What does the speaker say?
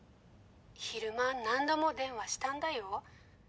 昼間何度も電話したんだよ。